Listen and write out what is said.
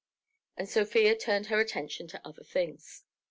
And Sofia turned her attention to other things.